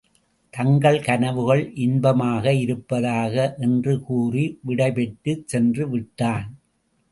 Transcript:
தங்கள் கனவுகள் இன்பமாக இருப்பதாக! என்று கூறி விடைப்பெற்றுச் சென்றுவிட்டான்.